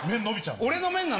俺の麺なの？